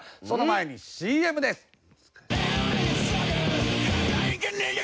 その前にＣＭです。